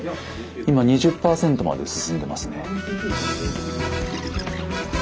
今２０％まで進んでますね。